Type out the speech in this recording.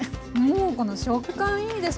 もうこの食感いいです。